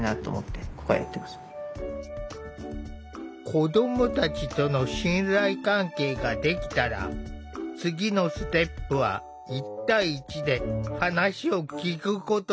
子どもたちとの信頼関係ができたら次のステップは１対１で話を聴くことだ。